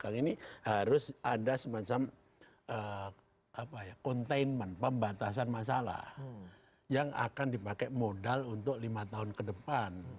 karena ini harus ada semacam containment pembatasan masalah yang akan dipakai modal untuk lima tahun ke depan